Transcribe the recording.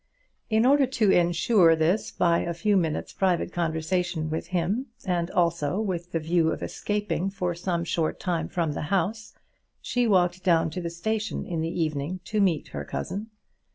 In order to insure this by a few minutes' private conversation with him, and also with the view of escaping for some short time from the house, she walked down to the station in the evening to meet her cousin.